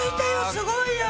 すごいよ！